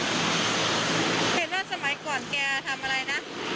เห็นว่าสมัยก่อนแกทำอะไรนะ